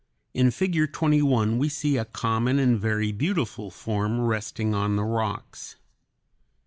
In Figure 21 we see a common and very beautiful form resting on the rocks.